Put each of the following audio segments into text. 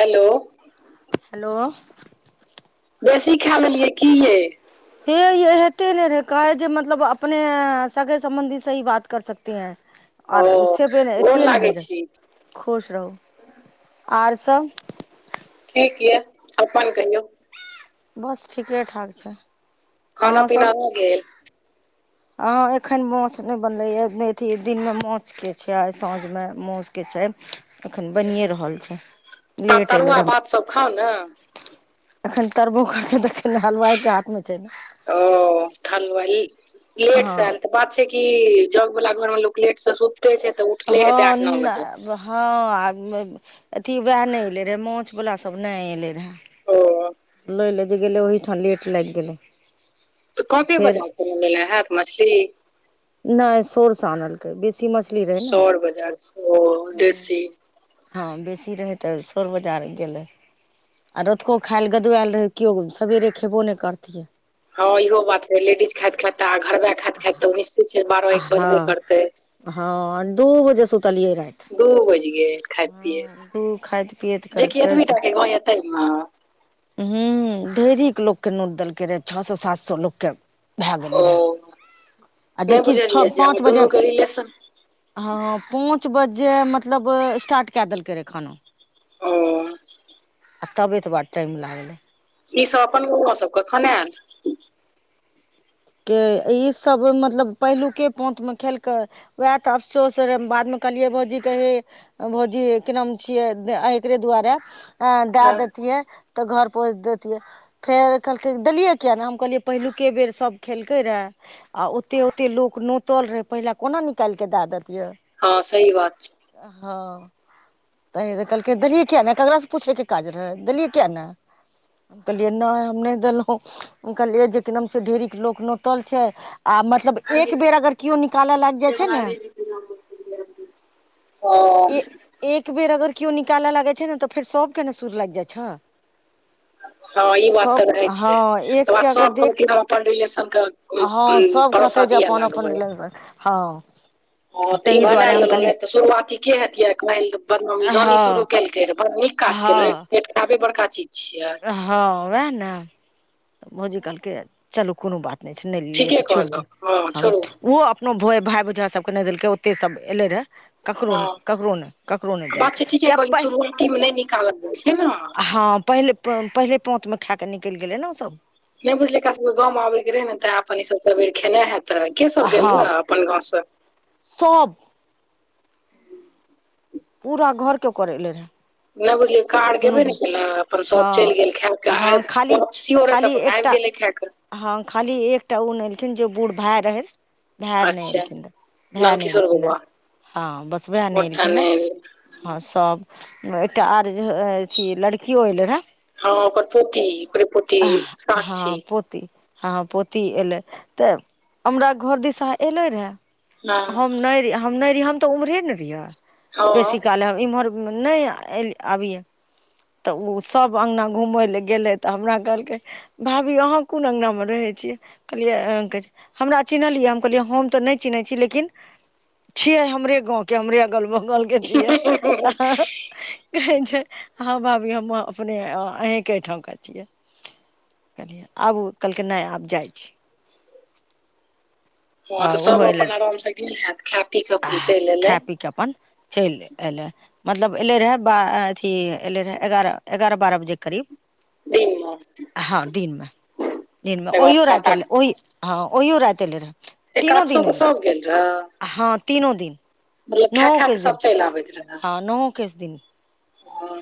Hello hello बेसी खा लेलियै की ये हे ये कहते ने रहे कै जे मतलब अपने सगे सम्बंधी सही बात कर सकते हैं ओ आर सेब नहि गोर अथिए नहि लागै होय रह छी खुश रहू आर सब ठीक ये अपन कहियौ बस ठीके ठाक छै खाना अहाँ पीना भ गेल हँ एखन माउस नहि बनलैए नहि अथि दिनमे माछके छै साँझमे माउस के छै एखन बनिए रहल छै त लेट एयलै तरुआ रह हम भात सब खाउ ने एखन तरबो करतै तखन हलवाइ के हाथ मे छै ने ओ हलुवाई एहो हँ एक साल के बात छै कि जग वला घर मे लोक लेट से सुते छै त हँ उठले हेतै आठ नओ बजे हँ अथी वएह नहि अएलै रहए मोछवला सब नहि अयलै रहए ओ लहि ले जे गेल ओहि ठाम लेट लागि गेलै आ त काँपे फेर बजार सँ ने लेने हैत मछली नहि सौर से आनलके बेसी मछली रहै ने सौर बजार सौर हूँ देशी हँ बेसी रहै त सोर बजार गेलै आ रोतूको खाइल गदुएल रहै केओ सबेरे खेबो नहि करतियै हँ इहो बात है लेडीज खाइत खाइतआ घरबे खाइत खाते मिस्री छै बारह एक बजबे हँ करतेय हँ दू बजे सुतलियै राति दू बज ग खाय हँ पियत दू खाइत पियैत करैत जेकि एतबी टा के गव एते मे ह ढेरिक लोक के नोतदेलकै रहे छओ सए सात सए लोक के भए गेलै रहेय ओ आ नहि जेि छओ बुझलियै जे हमर पाँच बजे दुनू के रिलेशन हँ पाँच बजे मतलब स्टार्ट कए देलकै रहए खाना ओ [unintelligible] आओर तबे तऽ बड़ टाइम लागलै ई सब अपन सबकेखने आयल के ईसभ मतलब पहिलुके पाँथमे खेल कयं उएह तऽ अफसोस रहै बादमे कहलियै भाौजी कहे भोजी की नाम छियै एकरे दुआारे अ दए हँ देतियै तऽ घर पोँच देैतियै फेर कहलकै देलियै किया नहि हम कहलियै पहिलुके बेर सब खेलकै रहए आ ओते ओते लोक नोतल रहै पहिल कोना निकालि कऽ दए दत यै हँ सह बात छै हँ तऽ तऽ कहलकै देलियै किियाक नहि ककरासँ पूछयके काज रहै देलियै कििया नहि कहलिये न हम नहि देलहुं कहलिये जेक न ढेरी लोक नोतल छै आ म जब एक बेर अगर केओ निकालऽ लागि जाइ छै ने ओ ए एक बेर अगर केओ निकालऽ लागे छै ने तऽ फेर सबके ने सुर लागि जाइ छ हँ ई बात तऽ रहे हँ छै त एकके बाद अगर सब देख कह अपन रिलेशन के हँ सब परोसा कहते जे दिए अपन अपन रिलेशन हँ ह तऽ ई ताहि बनाय दुआरे हम कहलियै लेलोंनतऽ शुरुआती के हेतिरहे बदनामी रानी हँ शुरू केलकै रे बर निक काज केलैत हँ लएक पेट बड़का चीज छिय हँ वएह ने भौजी कहलकै चलू कोनो बात नैय दक्षिणे नहि लेलियै ठीके तऽ छोड़ि कहलहु दिय हँ हम छोड़ू ऊ कोनो भ भाय भौजाय सभके नहि देलकै ओते सभ एलै रहे ककरो हँ नहि ककरो नहि ककरो नहि बात छै देलकै ठीके कहलिन क शुरुआती मे नहि निकालल गेल छै ने हँ पहिले पहिले पांत मे खा कऽ निकलि गेलै ने ऊसभ नहि बुझलै एकरा सब के गाम आबे के रहे ने तऽ अपन ई सब सबेर खेनाइ हेतै के सब गेल हँ ह अपन घर से सभ पूरा घर के कोरय ल रहैय नहि बुझलै कार गेबे ने केलैऽ अपन हँ सब चलि गेल खा क हँ आबि खाली वपसीऽ रहे त खाली अपन आबि एकटा गेलै खा कऽ हँ खाली एकटा ऊ नै एलखिन जे बूढ़ भाय रहे भाय नहि अच्छा एलखिन रहऽ भाय नहि नन्दकिशोर एलखिन बौआ रहऽ हँ बस ओएह नहि एलखिन रहऽ हँ सब एकटा आर जे अथी लड़कियो अएलै रहए हँ ओकर पोति ओकरे पोति हँ पोती हँ पोती एलै तऽ हमरा घर दिश एलै रहए हँ हम नहि नहि रहि हम तऽ उम्हरे ने रहियै हँ हँ बेसी काल हम इमहर नै आबिय तऽ ओ सब अगना घुम ले गेले त हमरा कहलकै भाभी अहाँ कोन अङ्गनामे रहै छियै कहलियै [inaudible] हमरा चिन्हलियै हम कहलियै हम तऽ नय चिन्है छी लेकिन छियै हमरे गाँव के हमरे अगल बगल के छियै कहै छै हँ भाभी हम अपने अहींके एहिठामका छियै कहलियै आबुऽ कहलकै नय आब जाइ छी [inaudible] हँ आ तऽ ओहो सब एलै अपन आराम से गेल हैत खा पी के अपन चलि एलै के अपन चैलि एलै मतलब एलै रहए बा अथी एलै रहए एगारह एगारह बारह बजेके करीब दिनमे हँ दिनमे दिनमे दिनमे तकर बाद ओहियो सात राति आठ एलै ओहि हँ ओहियो रति एलै रहै एकाद सो के सब गेल रहे हँ तीनो दिन मतलब खे खै के सब चलि आबैत रहे। आ नहो केस दिन हँ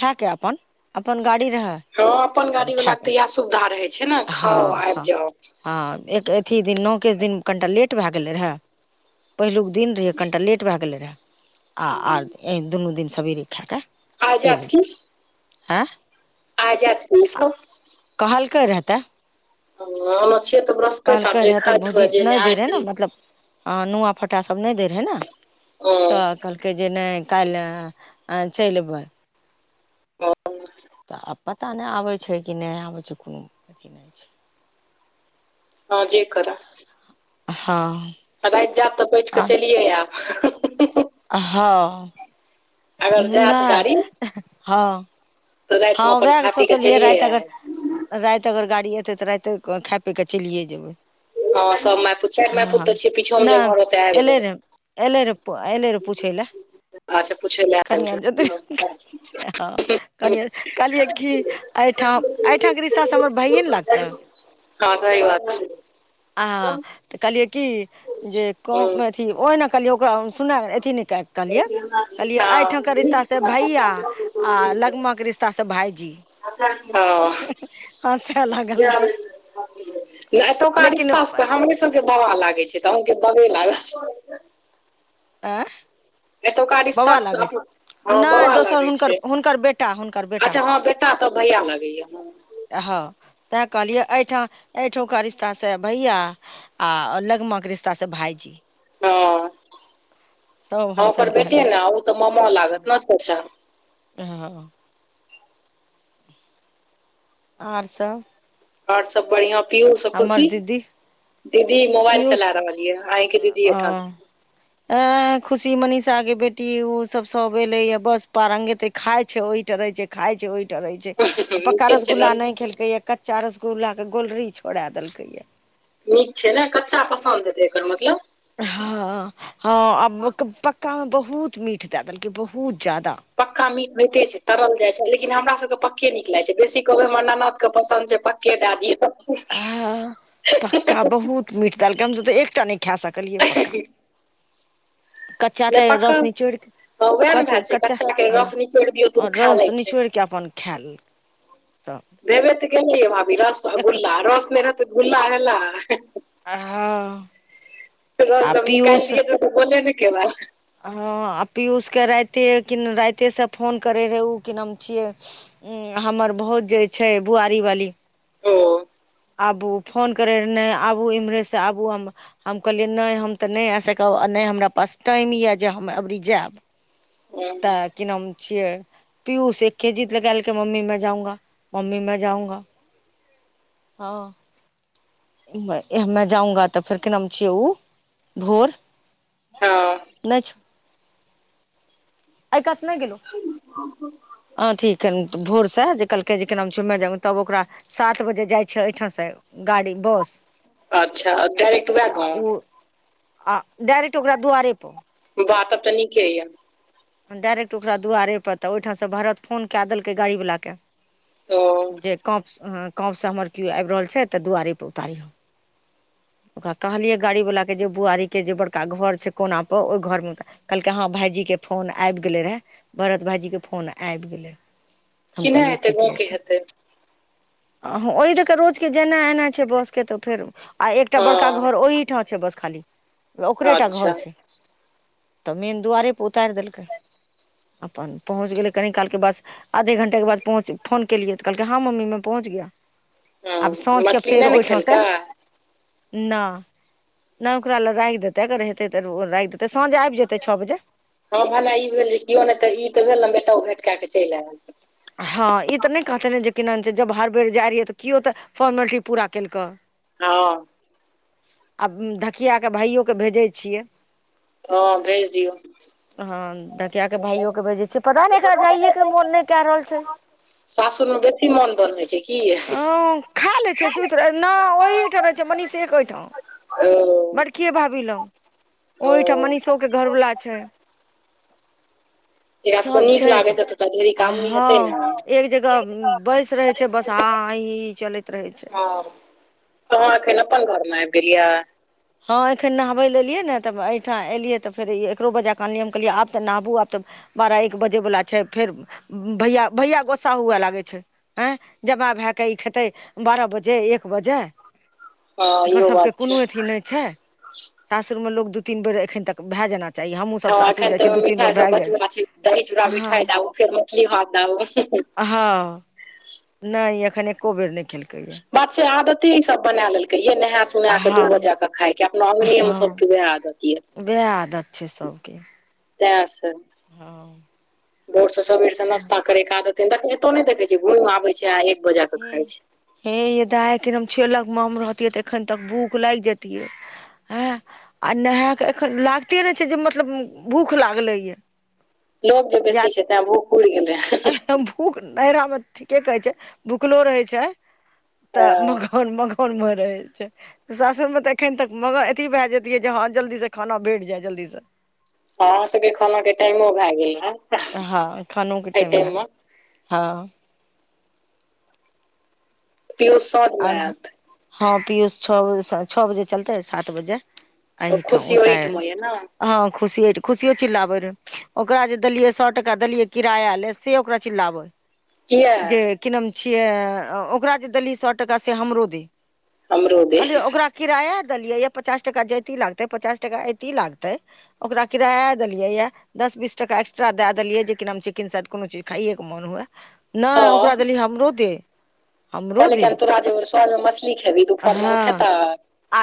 खाके अपन अपन गाड़ी रहै हँ अपन गाड़ी वला के तऽ खाके इएह सुविधा रहै छै ने खाउ हँ आबि हँ जाउ हँ एक अथी दिन नौकेस दिन कनिटा लेट भए गेलै रहए पहिलुक दिन रहियै कनिटा लेट भए गेलै रहे आ आर दुनू दिन सवेरे खायके आय जेत की आय जेत की सब कहलकै रहतै हन छियै तऽ ब्रहस्पति कहलकै जे रहए तऽ खायत भौजी हुये नय नहि दै आय रहै ने मतलब हँ नुआ फटा सब नय दै रहै ने तऽ कहलकै जे नय काल्हि चलि अबै [inaudible] तऽ आब पता नय आबय छै कि नय आबय छै कोनो अथी नय छै हँ जे करै हँ आ राति जाएब तऽ बैठ कऽ चलिये आयब हँ अगर जायत नय गाड़ी हँ तऽ हँ रातिमे अपन वैह खा पी कऽ सोचलियै चलिए राति आयब अगर राति अगर गाड़ी एतै तऽ राति कऽ खा पी कऽ चलियए जेबै हँ सब माय पुते चारि माय पुत हँ छियै पीछ हम नहि घर तैयार एलै होै रे एलै र एले रह पूछै लए अच्छा पूछै लए आयल कनियाँ कहलियै कहलियै कि एहिठाम एहिठामके रिस्तासँ हमर भइए ने लागतै हँ सही बात छै आ तऽ कहलियै की जे हँ अथी ओहि ने कहलियै ओकरा सुना अथि नय कहलियै कहलियए एहिठाम के रिश्ता से भैया आ हँ लगमा के रिश्ता से भायजी हँ हँसय लागलखिन एतौका लेकिन रिस्ता से तऽ आँय हमहुँ सब सब केँ बाबा लागे छै तऽ अहूँ केँ बाबे लागल छै आ एतुका [inaudible] बाबा रिश्तासँ तऽ लागे अपन हँ छै नै बाबा दोसर लागै हुनकर छै हुनकर बेटा हुनकर बेटा अच्छा हँ बेटा तब भैया लगैया है हँ तैं कहलियै एहिठाम एहिठुका रिश्ता से भैया आ लगमा कऽ रिश्ता भायजी सभ [inaudible] हँ हँसय ओकर बेटे लागलै न ओ तऽ मामा लागत नै हऽ आर सब और सब बढ़िआं पियुस आ हमर खुशी दीदी [inaudible] दीदी मोबाइल पीयूष चला रहल यऽ अही केँ दीदी यै ठाम छै अ खुशी मनीषा केँ बेटी ओ सब सब एले य बस पारंग त खाइ छै ओहिठ रहे छै खाय छै ओहि रहे छै पका नीचे छै ने रसगुल्ला नै खेलकै या कच्चा रसगुल्ला कऽ गोलरी छोड़ा देलकै या नीक छै ने कच्चा पसन्द ऐलै एकर मतलब हँ [inaudible] हँ आ पक्का म बहुत मीठ दै देलकै बहुत जादा पक्का मीट होइते छै तरल जाइ छै लेकिन हमरा सबके पक्के नीक लागैत छै बेसी कहबैमे ननद कऽ पसन्द छै प केँ दै दिय ह [inaudible] पक्का बहुत मीट दै दलकै हमसभ तऽ एकटा नै खा सकलियै पक्का कच्चा नहि तऽ रस पक्कल निचोड़ केँ वएह ने कच भए छै कच्चा के हँ रस निचोड़ि दियौ [inaudible] तऽ ओ और खा रस लै छै निचोड़ कऽ अपन ख़ै ललकै [inaudible] सब देबे तऽ गेलियैह भावी रस एक गुल्ला रस नै रहतै तऽ गुल्ला भेलैय [inaudible] हँ [inaudible] रस आ जब पीयूष निकाललिये तऽ ओकर गोले न खैवे हँ आ पियूष केँ राइते कि राइते से फोन करे रहे ओ कि नाम छियै उ हमर भौज जे छै बुआरीवाली ओ आबु फोन करै रहैन नै आबू इम्हरे से आबू हम हम कहलियै नै हम तऽ नै आ सकब आ नै हमरा पास टाइम यऽ जे हम अबरी जायब [unintelligible] कि नाम छिये पीयूष एकेँ जीद लगालके मम्मी [unintelligible] हऽ [unintelligible] की नाम छिय ओ भोर हँ मम्मी नै छौ अइ कात नै गेलौ अथि केँ भोर से जे कहलकै जे कि नाम छिये [unintelligible] त ओकरा सात बजे जाइ छै एहिठाम स गाड़ी बस अच्छा डायरेक्ट वैह तऽ गाँव ओ आ डायरेक्ट ओकरा दुआरे पर वाह तब तऽ निके यऽ डायरेक्ट ओकरा दुआरे पर तऽ ओइठाम स भरत फोन कए देलकै गाड़ीवला केँ ओ जे [unintelligible] हमर केओ आइब रहल छै तऽ दुआरिे पर उतारिह ओकरा कहलियै गाड़ी वाला केँ जे बुआरीके जे बड़का घर छै कोना पर ओइ घर में उतारिहं कहलकै हँ भाईजीे केँ फोन आइब गेलै रहे भरत भाईजीकेँ फोन आइब गेलै हम चिन्है कहलियै हेतै गाँव ठीके केँ छै हेतै ओहि दऽ कऽ रोजकेँ जेनाए एनाए छै बस केँ तऽ फेर आ एकटा बड़का घर हँ ओहि ठाम छै बस खाली ओकरे टा अच्छा घर छै तऽ मेन दुआरे पे उतार देलकै अपन पहुँच गेलै कनि काल के बस आधे घंटे के बाद पहुँच फोन केलिए तऽ कहलके हँ मम्मी में पहुँच गया हँ आब साँझ के मछली फेर नहि ने ओहिठा खेलकै से नय नय ओकरा लए राइख देतै अगर हेतै तऽ राइख देतै साँझ आब जेतै छओ बजे हँ भला ई भेल जे कओ नय तऽ ई तऽ भेल ने बेटा भेट कएकेँ चैल आयल हँ ई तऽ नय कहते ने जे कि नाम छै जब हर बेर जाय रहियै तऽ केओ तऽ फोर्मलिटी पूरा केल कए हँ आब धकिया केँ भाइयो के भेजै छियै हँ भेज दियौ हँ धकिया के भाइयो के भेजय छिये पता नय एकरा जाइये के मोन नय के रहल छै सासूर में बेसी मान दान होय छै कि हँ खा लै छै सुइत रहै नय ओहिठाम रहै छै मनीष के ओहि ठाम ओ बड़ के भाभी लंग ओ ओहिठाम मनीषो केँ घरवला छै एकरा सबके सब नीक छै त लागैत हेतै तऽ ढेरिक आ आदमी हँ हेतै ने एक जगह बैस रहे छै बस आ हा हा हिं चलैत रहे छै तह एखन अपन घर में आइब गेलियै हँ एखन नहबै लए एलियै ने तब एहिठाम एलियै तऽ फेर एकरो वजाक क आनलियै हम कहलियै आब तऽ नहबू आब तऽ बारह एक बजे बला छै फेर भैया भैया गोस्सा हुए लागै छै हँ जबां भएकेऽ ई खेतै बारह बजे एक बजे हँ एकर इहो सभके बात कोनो छै अथी नय छै सासुर मे लोक केँ दू तीन बेर एखन तक भए जेना हँ एखन तऽ मिठाइ सब बचल [inaudible] बला छै दही चूड़ा हँ मिठाई दाबू फेर मछली भात दाबू हँ नय अखन एको बेर नय खेलकै या बात छै आदते ई सभ बनै ललकै कहिये नहा सुनैइ कऽ दू हँ बजे के खाय के अपना अंगने मे सभ हँ के वएह आदत यै वएह आदत छै सबके तै सँ हँ भोर से सबेर से नश्ता करे के आदत दखय एतो नय देखे छियै घुइम आबे छै आ बजे कऽ हे खाइ छै हे यै दाय एखन हम छिये लगमे रहतियै तऽ एखन तक भूख लैग जतिये हँ आ नहाय के एखन लागते नै छै जे मतलब भूख लागलै य लोक जे बेसी छै तैं भूक उड़ गेले है त भूख नैरा में ठीके कहै छै भूखलो रहे छै तऽ हँ लोग अपन मगन में रहे छै सासुर में तऽ एखन तक म अथी भए जेतियै जे हँ जल्दी सँ खाना भेट जाय जल्दी स आहाँ सबके खाना के टाइमो भेए गेल है हँ खानो के टाइम भए गेले हँ पीयूष साँझ मे औरसब आयत हँ पीयूष छौ ब छौ बजे चलतेै सात बजे एहिठाम खुशी उतार ओहिठ मे ये ने ह खुशिय खुशिये चिल्लाबे रहै ओकरा जे देलियै सौ टका देलियै किराया ले से ओकरा चिल्लाव है किया जे की नाम छियै ओकरा जे देली सौ टका से हमरो दे अमरूदे कहलियै ओकरा किराया देलियै य पचास टका जैती लागतै पचास टका ऐती लागतै ओकरा किराया देलियै यए दस बीस टका एक्स्ट्रा दए देलियै जे कि नाम ची किनसे कोनो चीज खाइयए के मन हुए। हँ नइ ओकरा देली, हमरो दे। हमरो कहलै कि दे आज तोरा जे सर मछली खेबी दुपहर मे, ओ हँ खैता। आ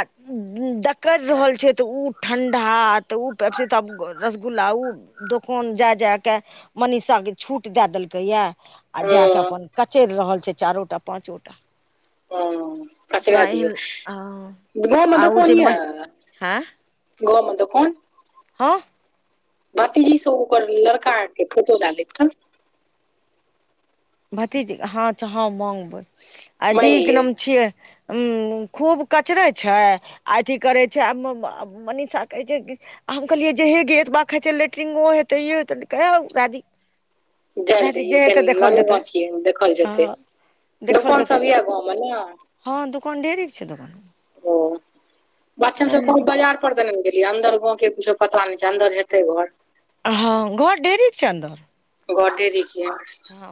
डकर रहल छै, तऽ उ ठंडा, तऽ उ पेप्सी तऽ अब गर। रसगुल्ला ऊ, दोकान जाय जाय के, मनीषा के छूट दै देलकै ये। आ जा कऽ हँ अपन कचैर रहल छै चारोटा पाँचो टा। ह्म्म कचरै ओकरा दियो। एहन गाम मे आ ओ दोकान जे हीया। गाम मे दोकान। आ भतीजीसँ ओकर लड़का के फोटो लडाले थ। भतीजी ह, अच्छा हँ मागबै। अजी माँगि की ले नाम छियै। अम्म, खूब कचरै छै, आ एथी करे छै, मनीषा कहै छै कि हम कहलियै जे, हे गे एत बा खै छै लेट्रिंग हो हेतै ये हैते। तऽ कहेत है होइ जाय दी। जाय लऽ दै इए एखन ना जेतै गाव छियै। देखल जेतै। आ दोकान सभ हईए गाव मे न। ह दोकान, ढेरी छै दोकान। ओ बात छै हम सभ कोऊ बजार, तऽ ने गेलियै। अन्दर गाव के कुछो पता नहि छै। अन्दर हेतै घर। ह घर ढेरी छै अन्दर। घर ढेरी छै। ह,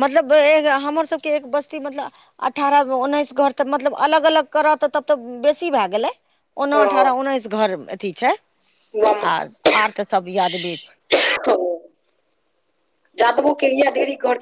मतलब ए गे, हमर सभके एक बस्ती मतलब, अठारह उन्नैस घर तऽ, मतलब अलग अलग करऽ तऽ तब तऽ बेसी भए गेले। ओना ओ अठारह उन्नैस घर अथी छै। आर, आर तऽ सभ यादवे छै। जादबो के यिया ढेरी करके।